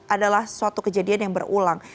adalah suatu kejadian yang berulang